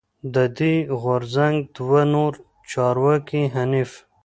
د دوی د غورځنګ دوه نور چارواکی حنیف